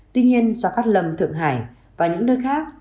tuy nhiên do cát lâm thượng hải và những nơi khác